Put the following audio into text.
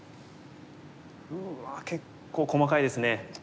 うわ結構細かいですね。